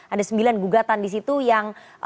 ada sembilan gugatan di situ yang